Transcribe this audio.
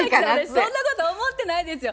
そんなこと思ってないですよ。